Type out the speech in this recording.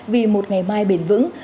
vì một ngày mai bền vững